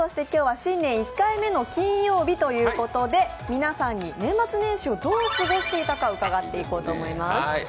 今日は新年１回目の金曜日ということで、皆さんに年末年始をどう過ごしていたか伺っていこうと思います。